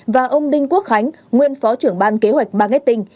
và ông đinh quốc khánh nguyên phó trưởng ban kế hoạch marketing